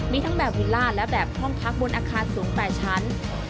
มีทั้งแบบวิลล่าและแบบห้องพักบนอาคารสูง๘ชั้น